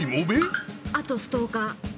あとストーカー。